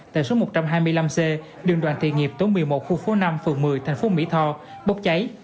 tại số một trăm hai mươi năm c đường đoàn thiên nghiệp tối một mươi một khu phố năm phường một mươi tp mỹ tho bốc cháy